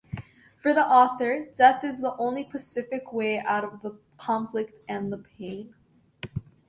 For the author, death is the only pacific way out of the conflict and the pain.